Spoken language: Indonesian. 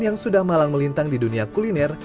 yang sudah malang melintang di dunia kuliner